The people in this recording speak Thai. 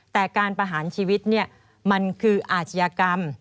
แต่การประหารชีวิตมันคืออาชญากรรม